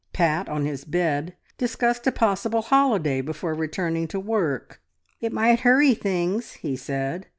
Pat on his bed discussed a possible holiday before returning to work. "It might hurry things," he said.